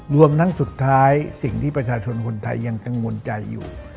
รวมทั้งสุดท้ายสิ่งที่ประชาชนคนไทยยังกังวลใจอยู่